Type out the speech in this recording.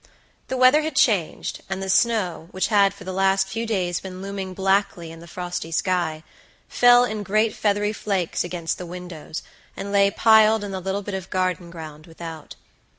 The weather had changed, and the snow, which had for the last few days been looming blackly in the frosty sky, fell in great feathery flakes against the windows, and lay piled in the little bit of garden ground without.